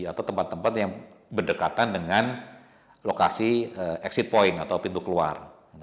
atau tempat tempat yang berdekatan dengan lokasi exit point atau pintu keluar